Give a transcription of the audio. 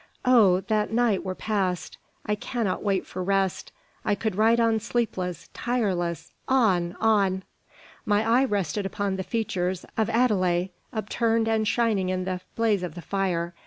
Oh, that the night were past! I cannot wait for rest. I could ride on sleepless tireless on on!" My eye rested upon the features of Adele, upturned and shining in the blaze of the fire.